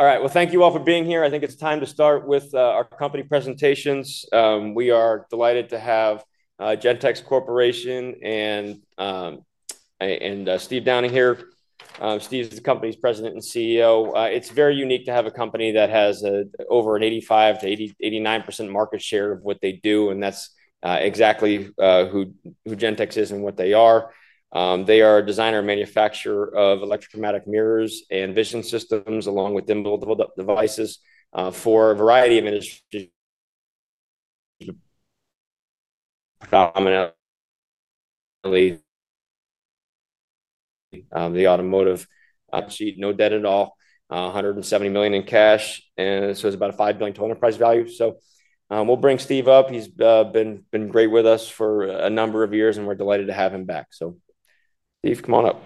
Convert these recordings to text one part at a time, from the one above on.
All right, thank you all for being here. I think it's time to start with our company presentations. We are delighted to have Gentex Corporation and Steve Downing here. Steve's the company's President and CEO. It's very unique to have a company that has over an 85%, 89% market share of what they do, and that's exactly who Gentex is and what they are. They are a designer and manufacturer of electrochromic mirrors and vision systems, along with inbuilt devices for a variety of industries, predominantly the automotive industry. No debt at all, $170 million in cash, and it's about a $5 billion total enterprise value. We'll bring Steve up. He's been great with us for a number of years, and we're delighted to have him back. Steve, come on up.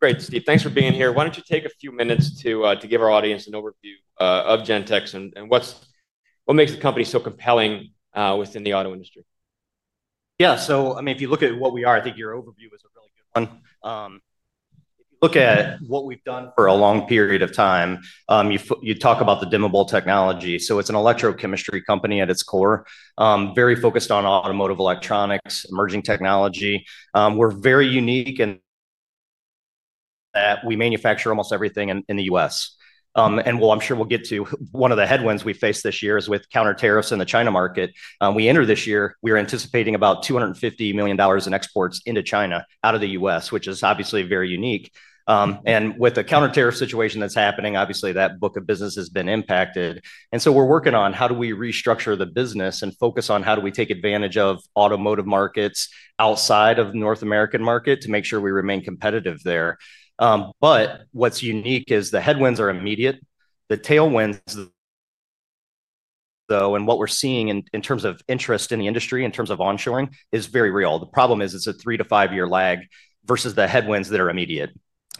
Great, Steve. Thanks for being here. Why don't you take a few minutes to give our audience an overview of Gentex and what makes the company so compelling within the auto industry? Yeah. I mean, if you look at what we are, I think your overview is a really good one. If you look at what we've done for a long period of time, you talk about the dimmable technology. It's an electrochemistry company at its core, very focused on automotive electronics, emerging technology. We're very unique in that we manufacture almost everything in the U.S. I'm sure we'll get to one of the headwinds we face this year with counterterrorism in the China market. We entered this year anticipating about $250 million in exports into China out of the U.S., which is obviously very unique. With the counterterrorist situation that's happening, obviously that book of business has been impacted. We're working on how do we restructure the business and focus on how do we take advantage of automotive markets outside of the North American market to make sure we remain competitive there. What's unique is the headwinds are immediate. The tailwinds, though, and what we're seeing in terms of interest in the industry, in terms of onshoring, is very real. The problem is it's a 3-5 year lag versus the headwinds that are immediate.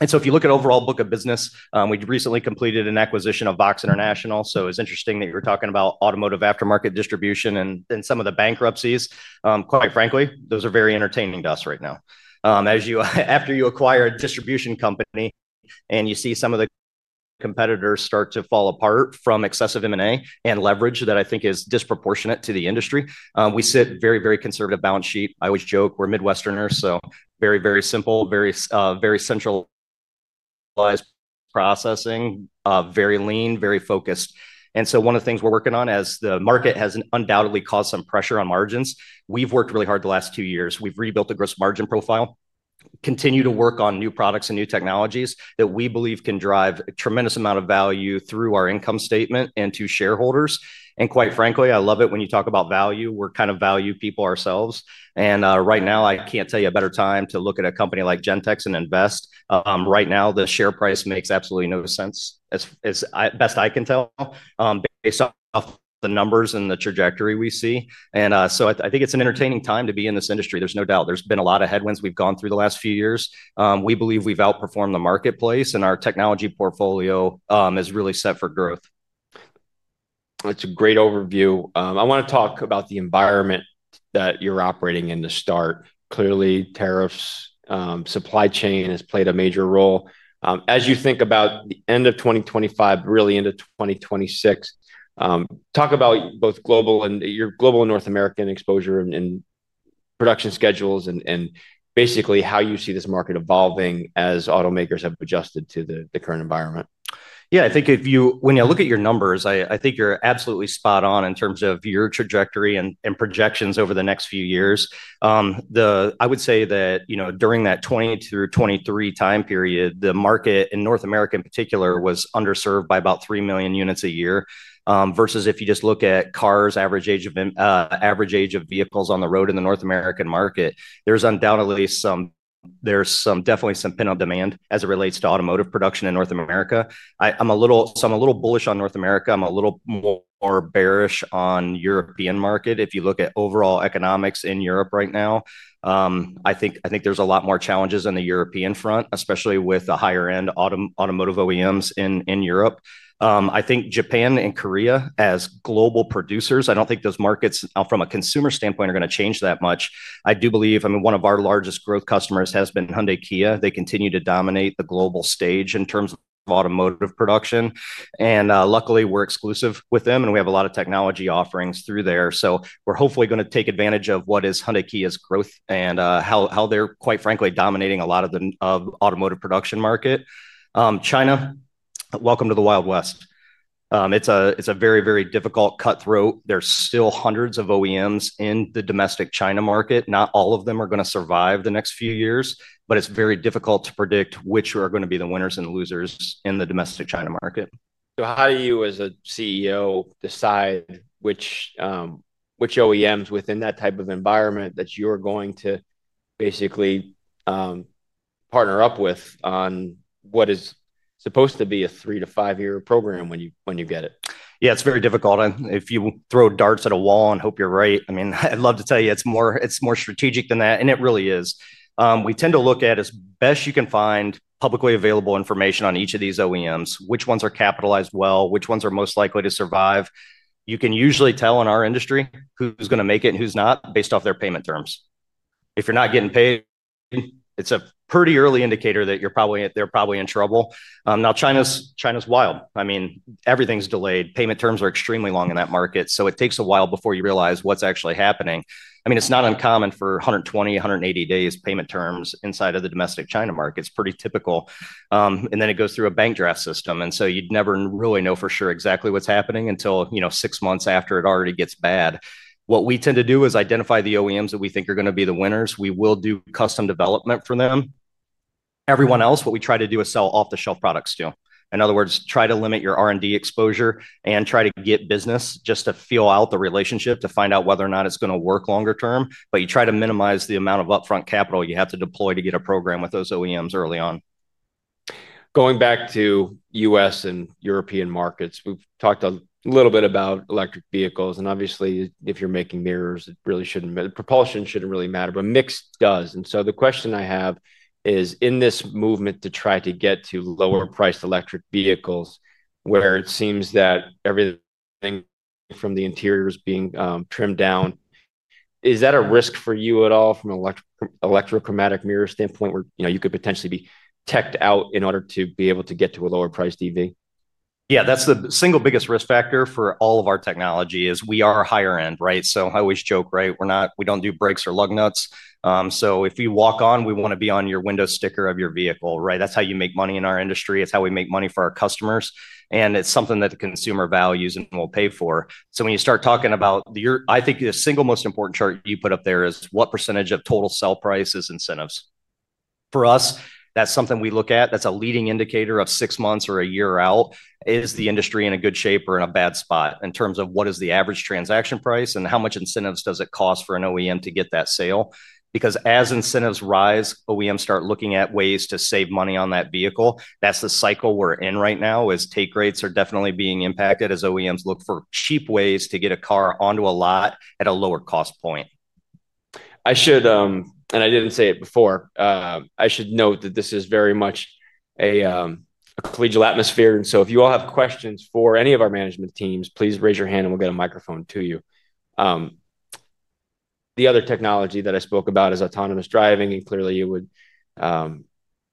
If you look at the overall book of business, we recently completed an acquisition of VOXX International. It's interesting that you're talking about automotive aftermarket distribution and some of the bankruptcies. Quite frankly, those are very entertaining to us right now. After you acquire a distribution company and you see some of the competitors start to fall apart from excessive M&A and leverage that I think is disproportionate to the industry, we sit very, very conservative balance sheet. I always joke we're Mid-westerners, so very, very simple, very centralized processing, very lean, very focused. One of the things we're working on, as the market has undoubtedly caused some pressure on margins, we've worked really hard the last 2 years. We've rebuilt the gross margin profile, continue to work on new products and new technologies that we believe can drive a tremendous amount of value through our income statement and to shareholders. Quite frankly, I love it when you talk about value. We're kind of value people ourselves. Right now, I can't tell you a better time to look at a company like Gentex and invest. Right now, the share price makes absolutely no sense, as best I can tell, based off the numbers and the trajectory we see. I think it's an entertaining time to be in this industry. There's no doubt. There's been a lot of headwinds we've gone through the last few years. We believe we've outperformed the marketplace, and our technology portfolio is really set for growth. That's a great overview. I want to talk about the environment that you're operating in to start. Clearly, tariffs, supply chain has played a major role. As you think about the end of 2025, really into 2026, talk about both global and your global North American exposure and production schedules and basically how you see this market evolving as automakers have adjusted to the current environment. Yeah, I think when you look at your numbers, I think you're absolutely spot on in terms of your trajectory and projections over the next few years. I would say that during that 2020 through 2023 time period, the market in North America in particular was underserved by about 3 million units a year versus if you just look at cars, average age of vehicles on the road in the North American market, there's undoubtedly. Definitely some pent-up demand as it relates to automotive production in North America. I'm a little bullish on North America. I'm a little more bearish on the European market. If you look at overall economics in Europe right now, I think there's a lot more challenges on the European front, especially with the higher-end automotive OEMs in Europe. I think Japan and Korea, as global producers, I don't think those markets, from a consumer standpoint, are going to change that much. I do believe, I mean, one of our largest growth customers has been Hyundai Kia. They continue to dominate the global stage in terms of automotive production. Luckily, we're exclusive with them, and we have a lot of technology offerings through there. We're hopefully going to take advantage of what is Hyundai Kia's growth and how they're, quite frankly, dominating a lot of the automotive production market. China, welcome to the Wild West. It's a very, very difficult cutthroat. There's still hundreds of OEMs in the domestic China market. Not all of them are going to survive the next few years, but it's very difficult to predict which are going to be the winners and losers in the domestic China market. How do you, as a CEO, decide which OEMs within that type of environment that you're going to basically partner up with on what is supposed to be a 3-5 year program when you get it? Yeah, it's very difficult. If you throw darts at a wall and hope you're right, I mean, I'd love to tell you it's more strategic than that. And it really is. We tend to look at as best you can find publicly available information on each of these OEMs, which ones are capitalized well, which ones are most likely to survive. You can usually tell in our industry who's going to make it and who's not based off their payment terms. If you're not getting paid, it's a pretty early indicator that they're probably in trouble. Now, China's wild. I mean, everything's delayed. Payment terms are extremely long in that market. It takes a while before you realize what's actually happening. I mean, it's not uncommon for 120-180 days payment terms inside of the domestic China market. It's pretty typical. It goes through a bank draft system. You never really know for sure exactly what's happening until six months after it already gets bad. What we tend to do is identify the OEMs that we think are going to be the winners. We will do custom development for them. Everyone else, what we try to do is sell off-the-shelf products to. In other words, try to limit your R&D exposure and try to get business just to feel out the relationship to find out whether or not it's going to work longer term. You try to minimize the amount of upfront capital you have to deploy to get a program with those OEMs early on. Going back to U.S. and European markets, we've talked a little bit about electric vehicles. Obviously, if you're making mirrors, propulsion shouldn't really matter, but mix does. The question I have is, in this movement to try to get to lower-priced electric vehicles, where it seems that everything from the interior is being trimmed down, is that a risk for you at all from an electrochromic mirror standpoint where you could potentially be teched out in order to be able to get to a lower-priced EV? Yeah, that's the single biggest risk factor for all of our technology is we are higher-end, right? I always joke, right? We don't do brakes or lug nuts. If you walk on, we want to be on your window sticker of your vehicle, right? That's how you make money in our industry. It's how we make money for our customers. It's something that the consumer values and will pay for. When you start talking about, I think the single most important chart you put up there is what % of total sell price is incentives. For us, that's something we look at. That's a leading indicator of six months or a year out. Is the industry in a good shape or in a bad spot in terms of what is the average transaction price and how much incentives does it cost for an OEM to get that sale? As incentives rise, OEMs start looking at ways to save money on that vehicle. That's the cycle we're in right now is take rates are definitely being impacted as OEMs look for cheap ways to get a car onto a lot at a lower cost point. I did not say it before. I should note that this is very much a collegial atmosphere. If you all have questions for any of our management teams, please raise your hand and we will get a microphone to you. The other technology that I spoke about is autonomous driving. Clearly,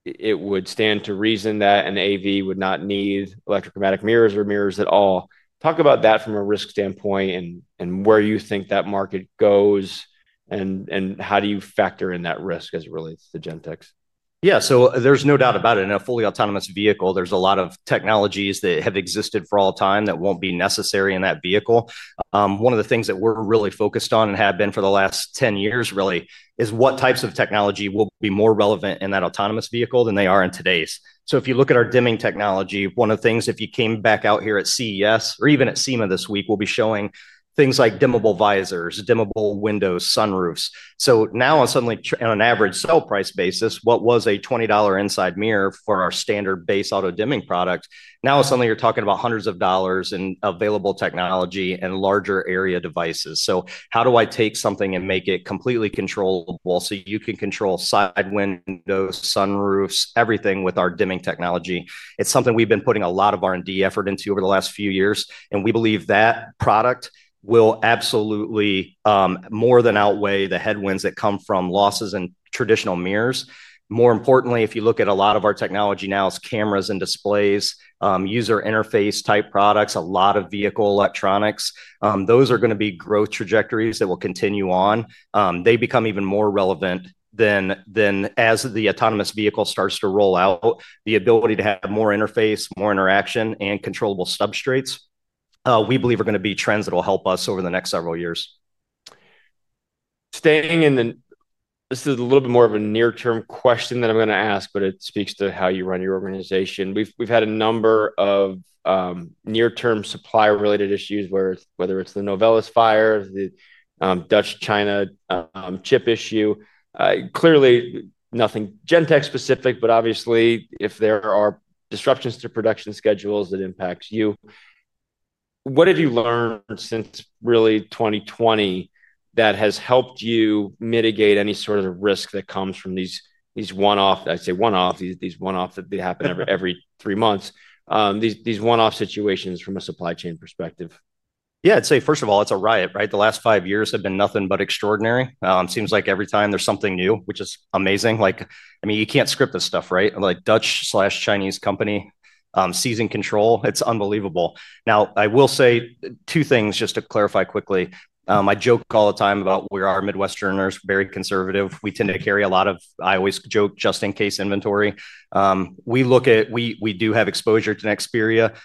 it would stand to reason that an AV would not need electrochromic mirrors or mirrors at all. Talk about that from a risk standpoint and where you think that market goes and how you factor in that risk as it relates to Gentex. Yeah, so there's no doubt about it. In a fully autonomous vehicle, there's a lot of technologies that have existed for all time that won't be necessary in that vehicle. One of the things that we're really focused on and have been for the last 10 years, really, is what types of technology will be more relevant in that autonomous vehicle than they are in today's. If you look at our dimming technology, one of the things, if you came back out here at CES or even at SEMA this week, we'll be showing things like dimmable visors, dimmable windows, sunroofs. Now, on an average sell price basis, what was a $20 inside mirror for our standard base auto dimming product, now suddenly you're talking about hundreds of dollars in available technology and larger area devices. How do I take something and make it completely controllable so you can control side windows, sunroofs, everything with our dimming technology? It's something we've been putting a lot of R&D effort into over the last few years. We believe that product will absolutely more than outweigh the headwinds that come from losses in traditional mirrors. More importantly, if you look at a lot of our technology now, it's cameras and displays, user interface type products, a lot of vehicle electronics. Those are going to be growth trajectories that will continue on. They become even more relevant than, as the autonomous vehicle starts to roll out, the ability to have more interface, more interaction, and controllable substrates, we believe are going to be trends that will help us over the next several years. Staying in the. This is a little bit more of a near-term question that I'm going to ask, but it speaks to how you run your organization. We've had a number of near-term supply-related issues, whether it's the Novelis fire, the Dutch/China chip issue. Clearly, nothing Gentex-specific, but obviously, if there are disruptions to production schedules, it impacts you. What have you learned since really 2020 that has helped you mitigate any sort of risk that comes from these one-off, I'd say one-off, these one-offs that happen every 3 months, these one-off situations from a supply chain perspective? Yeah, I'd say, first of all, it's a riot, right? The last 5 years have been nothing but extraordinary. Seems like every time there's something new, which is amazing. I mean, you can't script this stuff, right? Dutch/Chinese company. Season control. It's unbelievable. Now, I will say two things just to clarify quickly. I joke all the time about we are Mid-westerners, very conservative. We tend to carry a lot of, I always joke, just-in-case inventory. We do have exposure to Nexperia.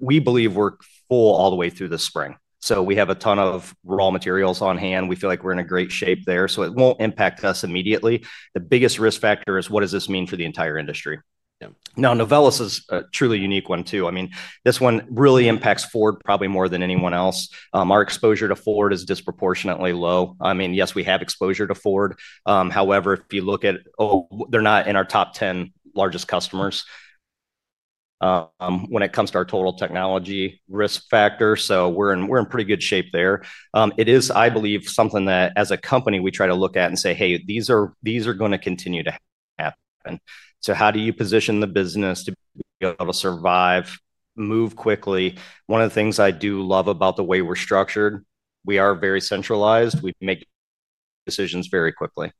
We believe we're full all the way through the spring. So we have a ton of raw materials on hand. We feel like we're in great shape there. So it won't impact us immediately. The biggest risk factor is what does this mean for the entire industry? Now, Novelis is a truly unique one too. I mean, this one really impacts Ford probably more than anyone else. Our exposure to Ford is disproportionately low. I mean, yes, we have exposure to Ford. However, if you look at, oh, they're not in our top 10 largest customers. When it comes to our total technology risk factor. So we're in pretty good shape there. It is, I believe, something that as a company, we try to look at and say, "Hey, these are going to continue to happen." How do you position the business to be able to survive, move quickly? One of the things I do love about the way we're structured, we are very centralized. We make decisions very quickly.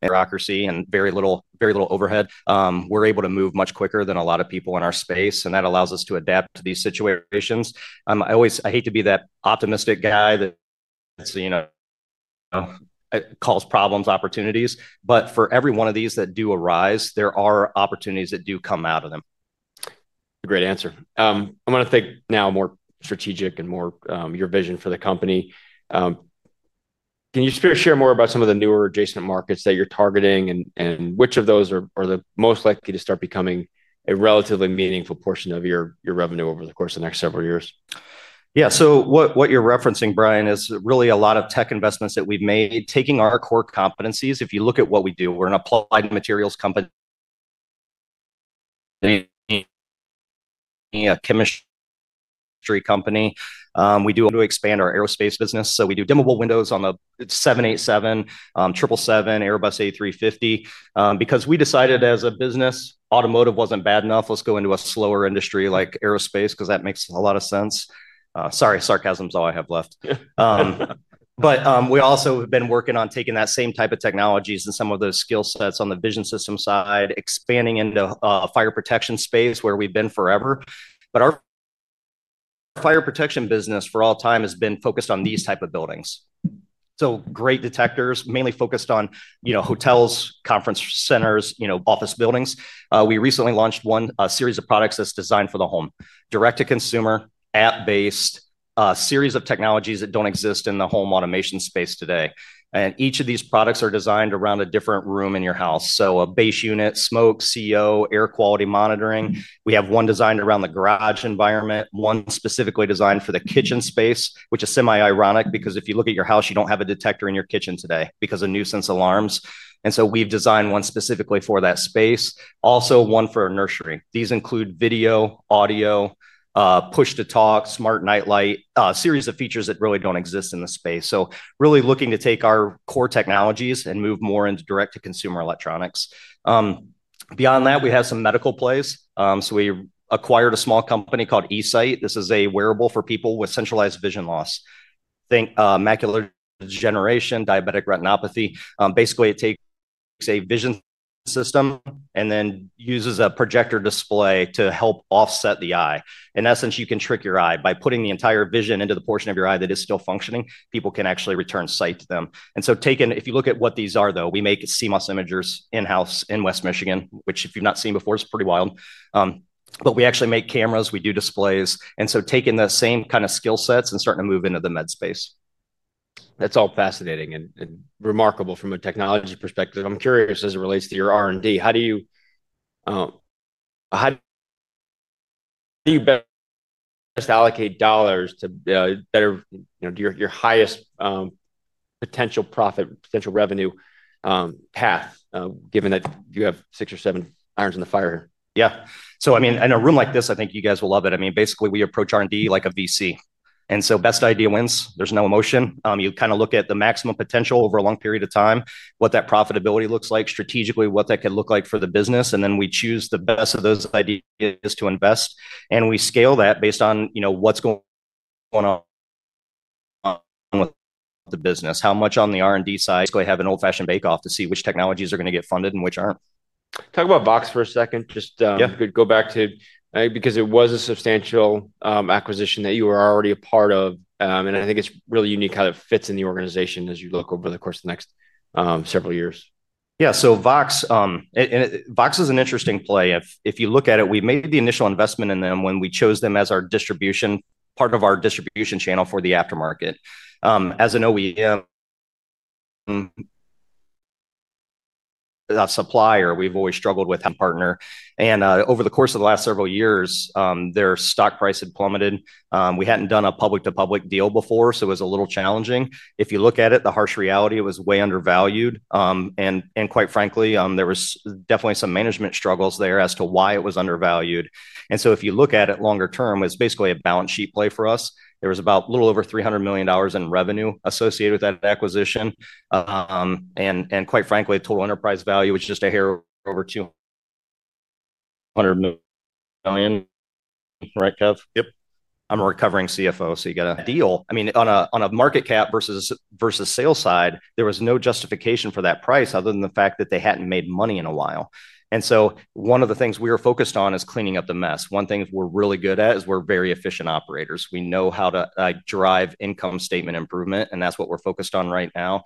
Bureaucracy and very little overhead. We're able to move much quicker than a lot of people in our space. That allows us to adapt to these situations. I hate to be that optimistic guy that calls problems opportunities. For every one of these that do arise, there are opportunities that do come out of them. Great answer. I want to think now more strategic and more your vision for the company. Can you share more about some of the newer adjacent markets that you're targeting and which of those are the most likely to start becoming a relatively meaningful portion of your revenue over the course of the next several years? Yeah, so what you're referencing, Brian, is really a lot of tech investments that we've made, taking our core competencies. If you look at what we do, we're an applied materials company. A chemistry company. We do. To expand our aerospace business. We do dimmable windows on the 787, 777, Airbus A350. Because we decided as a business, automotive wasn't bad enough. Let's go into a slower industry like aerospace because that makes a lot of sense. Sorry, sarcasm is all I have left. We also have been working on taking that same type of technologies and some of those skill sets on the vision system side, expanding into fire protection space where we've been forever. Our fire protection business for all time has been focused on these types of buildings. Great detectors, mainly focused on hotels, conference centers, office buildings. We recently launched one series of products that's designed for the home, direct-to-consumer, app-based, a series of technologies that don't exist in the home automation space today. Each of these products are designed around a different room in your house. A base unit, smoke, CO, air quality monitoring. We have one designed around the garage environment, one specifically designed for the kitchen space, which is semi-ironic because if you look at your house, you don't have a detector in your kitchen today because of nuisance alarms. We've designed one specifically for that space. Also, one for a nursery. These include video, audio, push-to-talk, smart nightlight, a series of features that really don't exist in the space. Really looking to take our core technologies and move more into direct-to-consumer electronics. Beyond that, we have some medical plays. We acquired a small company called eSight. This is a wearable for people with centralized vision loss. Think macular degeneration, diabetic retinopathy. Basically, it takes a vision system and then uses a projector display to help offset the eye. In essence, you can trick your eye. By putting the entire vision into the portion of your eye that is still functioning, people can actually return sight to them. If you look at what these are, though, we make CMOS imagers in-house in West Michigan, which if you've not seen before, it's pretty wild. We actually make cameras. We do displays. Taking the same kind of skill sets and starting to move into the med space. That's all fascinating and remarkable from a technology perspective. I'm curious as it relates to your R&D. How do you best allocate dollars to your highest potential profit, potential revenue path, given that you have six or seven irons in the fire here? Yeah. I mean, in a room like this, I think you guys will love it. I mean, basically, we approach R&D like a VC. Best idea wins. There's no emotion. You kind of look at the maximum potential over a long period of time, what that profitability looks like, strategically what that could look like for the business. Then we choose the best of those ideas to invest. We scale that based on what's going on with the business, how much on the R&D side. Have an old-fashioned bake-off to see which technologies are going to get funded and which aren't. Talk about VOXX for a second. Just go back to because it was a substantial acquisition that you were already a part of. I think it's really unique how it fits in the organization as you look over the course of the next several years. Yeah, so VOXX is an interesting play. If you look at it, we made the initial investment in them when we chose them as our distribution, part of our distribution channel for the aftermarket. As an OEM supplier, we've always struggled with partner. And over the course of the last several years, their stock price had plummeted. We had not done a public-to-public deal before, so it was a little challenging. If you look at it, the harsh reality, it was way undervalued. Quite frankly, there was definitely some management struggles there as to why it was undervalued. If you look at it longer term, it was basically a balance sheet play for us. There was about a little over $300 million in revenue associated with that acquisition. Quite frankly, total enterprise value, which is just a hair over $200 million. Right, Kev? Yep. I'm a recovering CFO, so you got a deal. I mean, on a market cap versus sales side, there was no justification for that price other than the fact that they hadn't made money in a while. One of the things we were focused on is cleaning up the mess. One thing we're really good at is we're very efficient operators. We know how to drive income statement improvement, and that's what we're focused on right now.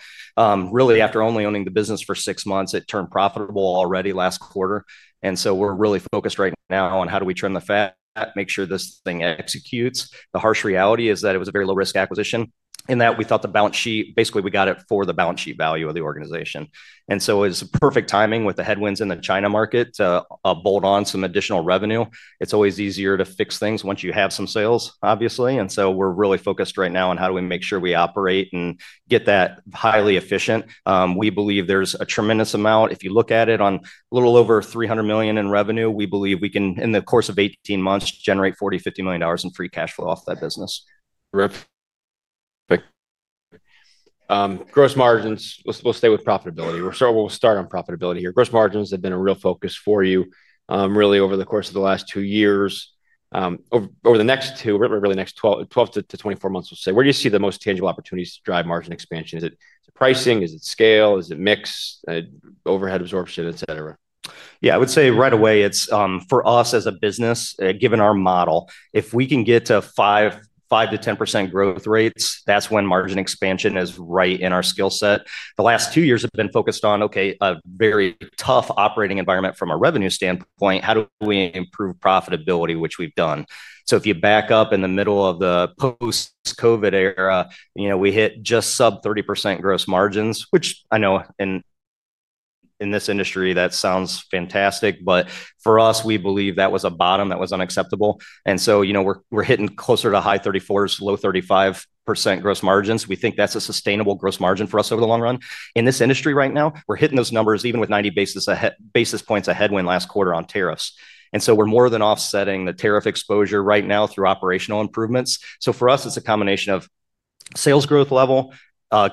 Really, after only owning the business for six months, it turned profitable already last quarter. We're really focused right now on how do we trim the fat, make sure this thing executes. The harsh reality is that it was a very low-risk acquisition in that we thought the balance sheet, basically, we got it for the balance sheet value of the organization. It was perfect timing with the headwinds in the China market to bolt on some additional revenue. It's always easier to fix things once you have some sales, obviously. We're really focused right now on how do we make sure we operate and get that highly efficient. We believe there's a tremendous amount. If you look at it on a little over $300 million in revenue, we believe we can, in the course of 18 months, generate $40 million-$50 million in free cash flow off that business. Right. Gross margins, we'll stay with profitability. We'll start on profitability here. Gross margins have been a real focus for you, really, over the course of the last 2 years. Over the next two, really next 12-24 months, we'll say, where do you see the most tangible opportunities to drive margin expansion? Is it pricing? Is it scale? Is it mix? Overhead absorption, etc.? Yeah, I would say right away, for us as a business, given our model, if we can get to 5%-10% growth rates, that's when margin expansion is right in our skill set. The last 2 years have been focused on, okay, a very tough operating environment from a revenue standpoint. How do we improve profitability, which we've done? If you back up in the middle of the post-COVID era, we hit just sub 30% gross margins, which I know in this industry that sounds fantastic. For us, we believe that was a bottom that was unacceptable. We're hitting closer to high 34s, low 35% gross margins. We think that's a sustainable gross margin for us over the long run. In this industry right now, we're hitting those numbers even with 90 basis points ahead when last quarter on tariffs. We're more than offsetting the tariff exposure right now through operational improvements. For us, it's a combination of sales growth level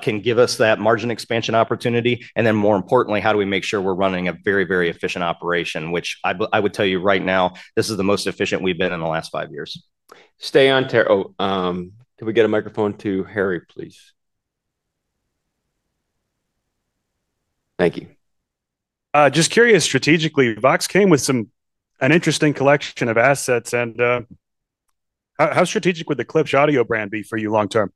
can give us that margin expansion opportunity. More importantly, how do we make sure we're running a very, very efficient operation, which I would tell you right now, this is the most efficient we've been in the last 5 years. Stay on. Can we get a microphone to Harry, please? Thank you. Just curious, strategically, VOXX came with an interesting collection of assets. How strategic would the Klipsch audio brand be for you long term?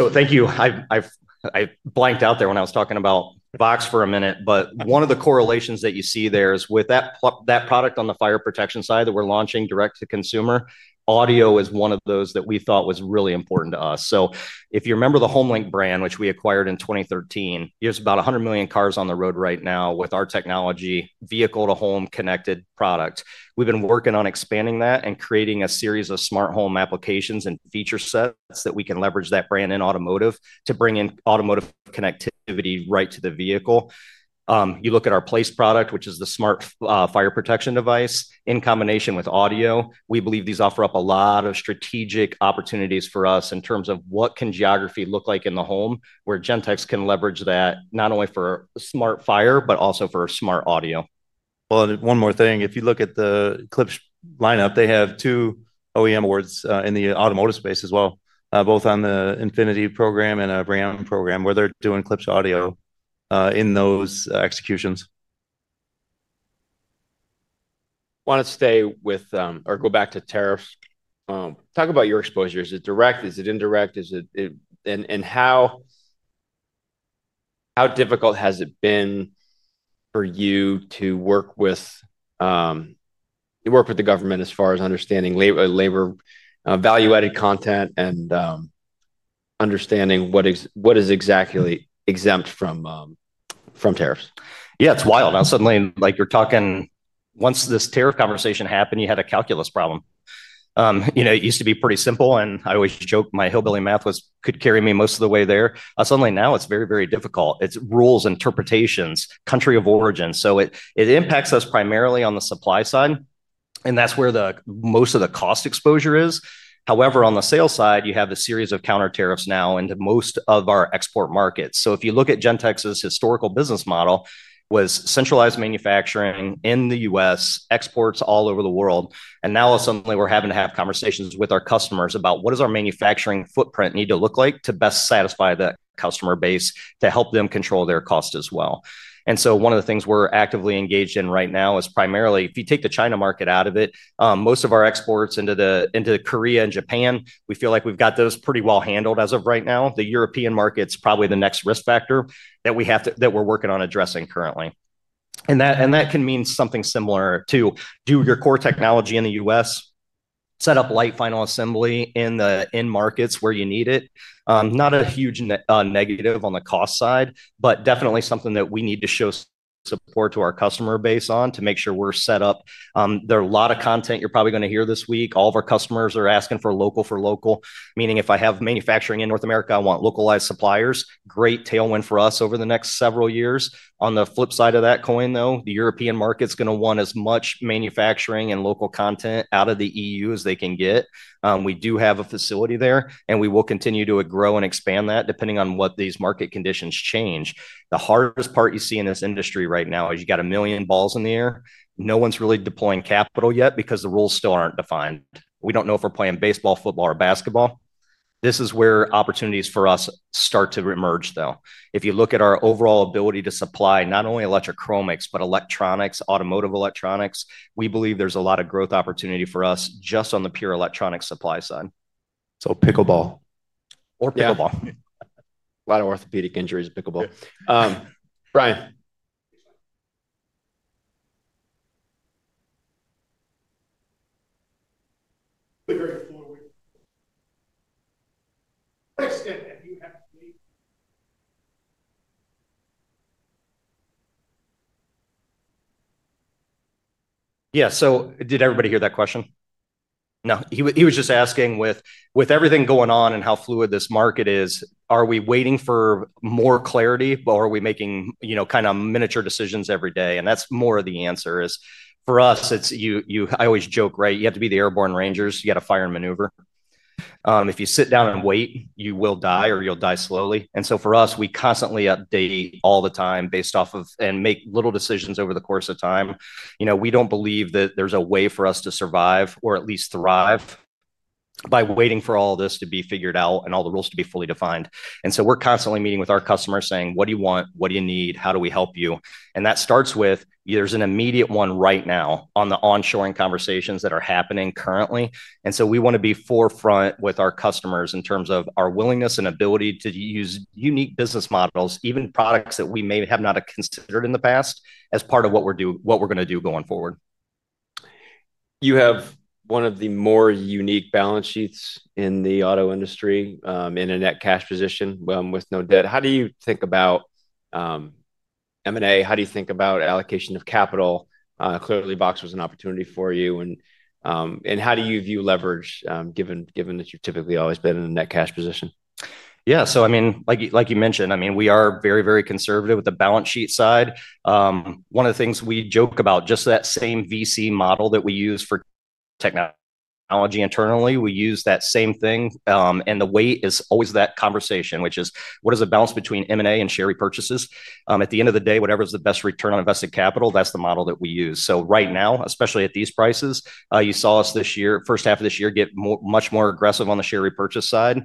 Thank you. I blanked out there when I was talking about VOXX for a minute. One of the correlations that you see there is with that product on the fire protection side that we're launching direct-to-consumer. Audio is one of those that we thought was really important to us. If you remember the HomeLink brand, which we acquired in 2013, there are about 100 million cars on the road right now with our technology, vehicle-to-home connected product. We've been working on expanding that and creating a series of smart home applications and feature sets that we can leverage that brand in automotive to bring in automotive connectivity right to the vehicle. You look at our PLACE product, which is the smart fire protection device in combination with audio. We believe these offer up a lot of strategic opportunities for us in terms of what can geography look like in the home where Gentex can leverage that not only for smart fire, but also for smart audio. If you look at the Klipsch lineup, they have two OEM awards in the automotive space as well, both on the Infiniti program and a brand program where they're doing Klipsch audio in those executions. I want to stay with or go back to tariffs. Talk about your exposure. Is it direct? Is it indirect? And how difficult has it been for you to work with the government as far as understanding labor, value-added content, and understanding what is exactly exempt from tariffs? Yeah, it's wild. Suddenly, you're talking once this tariff conversation happened, you had a calculus problem. It used to be pretty simple. I always joke my hillbilly math could carry me most of the way there. Suddenly, now it's very, very difficult. It's rules, interpretations, country of origin. It impacts us primarily on the supply side. That's where most of the cost exposure is. However, on the sales side, you have a series of counter tariffs now into most of our export markets. If you look at Gentex's historical business model, it was centralized manufacturing in the U.S., exports all over the world. Now suddenly we're having to have conversations with our customers about what does our manufacturing footprint need to look like to best satisfy that customer base to help them control their cost as well. One of the things we're actively engaged in right now is primarily, if you take the China market out of it, most of our exports into Korea and Japan, we feel like we've got those pretty well handled as of right now. The European market's probably the next risk factor that we're working on addressing currently. That can mean something similar to do your core technology in the U.S., set up light final assembly in the end markets where you need it. Not a huge negative on the cost side, but definitely something that we need to show support to our customer base on to make sure we're set up. There are a lot of content you're probably going to hear this week. All of our customers are asking for local for local, meaning if I have manufacturing in North America, I want localized suppliers. Great tailwind for us over the next several years. On the flip side of that coin, though, the European market's going to want as much manufacturing and local content out of the EU as they can get. We do have a facility there, and we will continue to grow and expand that depending on what these market conditions change. The hardest part you see in this industry right now is you got 1 million balls in the air. No one's really deploying capital yet because the rules still aren't defined. We don't know if we're playing baseball, football, or basketball. This is where opportunities for us start to emerge, though. If you look at our overall ability to supply not only electrochromics, but electronics, automotive electronics, we believe there's a lot of growth opportunity for us just on the pure electronics supply side. So pickleball. Or pickleball. A lot of orthopedic injuries are pickleball, Ryan Yeah, did everybody hear that question? No, he was just asking with everything going on and how fluid this market is, are we waiting for more clarity or are we making kind of miniature decisions every day? That is more of the answer. For us, I always joke, right? You have to be the airborne rangers. You got to fire and maneuver. If you sit down and wait, you will die or you'll die slowly. For us, we constantly update all the time based off of and make little decisions over the course of time. We don't believe that there's a way for us to survive or at least thrive by waiting for all of this to be figured out and all the rules to be fully defined. We're constantly meeting with our customers saying, what do you want? What do you need? How do we help you? That starts with there's an immediate one right now on the onshoring conversations that are happening currently. We want to be forefront with our customers in terms of our willingness and ability to use unique business models, even products that we may have not considered in the past as part of what we're going to do going forward. You have one of the more unique balance sheets in the auto industry in a net cash position with no debt. How do you think about M&A? How do you think about allocation of capital? Clearly, VOXX was an opportunity for you. How do you view leverage given that you've typically always been in a net cash position? Yeah, so I mean, like you mentioned, I mean, we are very, very conservative with the balance sheet side. One of the things we joke about, just that same VC model that we use for technology internally, we use that same thing. The weight is always that conversation, which is what is the balance between M&A and share repurchases? At the end of the day, whatever is the best return on invested capital, that's the model that we use. Right now, especially at these prices, you saw us this year, first half of this year, get much more aggressive on the share repurchase side.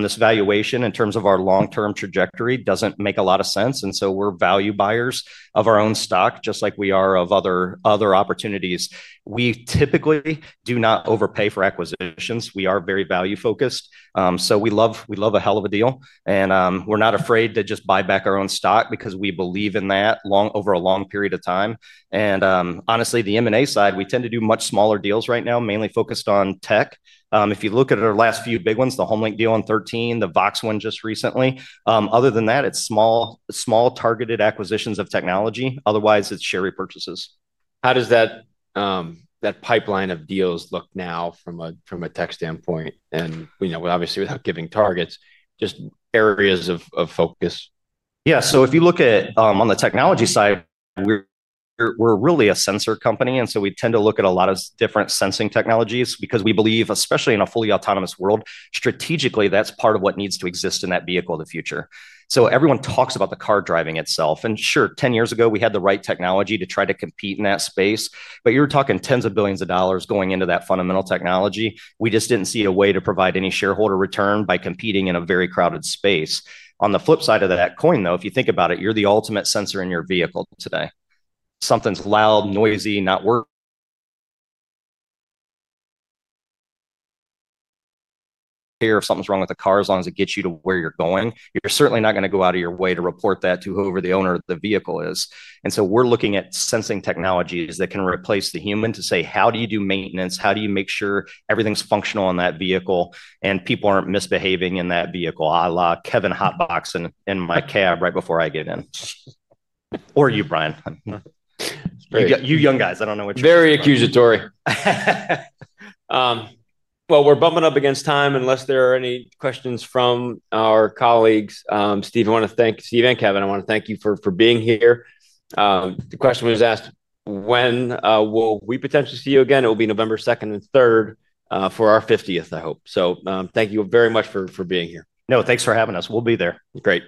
This valuation in terms of our long-term trajectory does not make a lot of sense. We are value buyers of our own stock, just like we are of other opportunities. We typically do not overpay for acquisitions. We are very value-focused. We love a hell of a deal. We are not afraid to just buy back our own stock because we believe in that over a long period of time. Honestly, the M&A side, we tend to do much smaller deals right now, mainly focused on tech. If you look at our last few big ones, the HomeLink deal in 2013, the VOXX one just recently, other than that, it is small targeted acquisitions of technology. Otherwise, it is share repurchases. How does that pipeline of deals look now from a tech standpoint? And obviously, without giving targets, just areas of focus. Yeah, so if you look at on the technology side, we're really a sensor company. We tend to look at a lot of different sensing technologies because we believe, especially in a fully autonomous world, strategically, that's part of what needs to exist in that vehicle of the future. Everyone talks about the car driving itself. Sure, 10 years ago, we had the right technology to try to compete in that space. You're talking tens of billions of dollars going into that fundamental technology. We just didn't see a way to provide any shareholder return by competing in a very crowded space. On the flip side of that coin, though, if you think about it, you're the ultimate sensor in your vehicle today. Something's loud, noisy, not working. If something's wrong with the car, as long as it gets you to where you're going, you're certainly not going to go out of your way to report that to whoever the owner of the vehicle is. We're looking at sensing technologies that can replace the human to say, how do you do maintenance? How do you make sure everything's functional on that vehicle and people aren't misbehaving in that vehicle? I love Kevin hotboxing my cab right before I get in. Or you, Brian. You young guys, I don't know what you're doing. Very accusatory. We're bumping up against time unless there are any questions from our colleagues. Steve, I want to thank Steve and Kevin. I want to thank you for being here. The question was asked, when will we potentially see you again? It will be November 2nd and 3rd for our 50th, I hope. Thank you very much for being here. No, thanks for having us. We'll be there. Great.